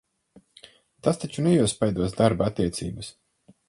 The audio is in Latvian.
Tas taču neiespaidos darba attiecības?